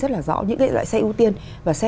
rất là rõ những cái loại xe ưu tiên và xe